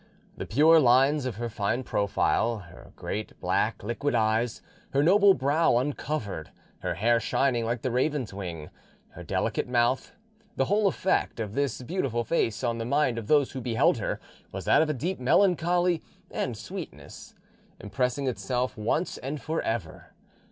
The pure lines of her fine profile, her great black liquid eyes, her noble brow uncovered, her hair shining like the raven's wing, her delicate mouth, the whole effect of this beautiful face on the mind of those who beheld her was that of a deep melancholy and sweetness, impressing itself once and for ever.